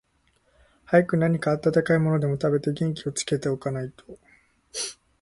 早く何か暖かいものでも食べて、元気をつけて置かないと、